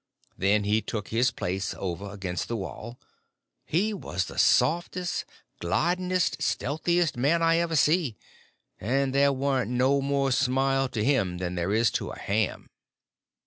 Then he took his place over against the wall. He was the softest, glidingest, stealthiest man I ever see; and there warn't no more smile to him than there is to a ham.